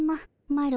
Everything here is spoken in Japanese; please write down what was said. マロ